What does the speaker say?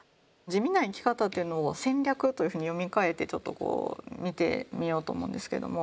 地味な生き方というのを戦略というふうに読み替えてちょっと見てみようと思うんですけれども。